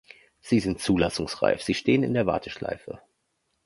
Sie sind zulassungsreif, sie stehen in der Warteschleife.